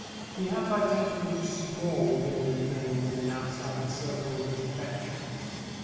He had by temperament a small opinion of men and women outside the circle of his affections.